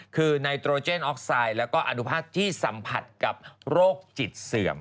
คือไนโตรเจนออกไซด์แล้วก็อนุภาพที่สัมผัสกับโรคจิตเสื่อม